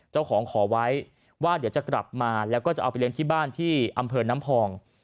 เจ้าของขอวัยว่าเดี๋ยวจะกลับมาเอาไปเลี้ยงที่บ้านใช้อัมเภอน้ำพอง